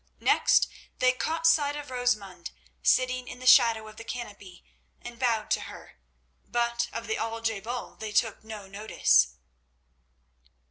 Next they caught sight of Rosamund sitting in the shadow of the canopy, and bowed to her, but of the Al je bal they took no notice.